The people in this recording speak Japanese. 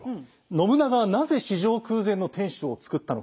信長はなぜ史上空前の天主をつくったのか。